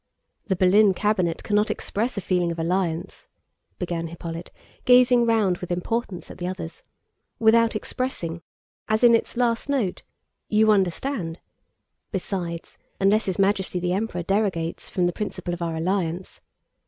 "The Berlin cabinet cannot express a feeling of alliance," began Hippolyte gazing round with importance at the others, "without expressing... as in its last note... you understand... Besides, unless His Majesty the Emperor derogates from the principle of our alliance...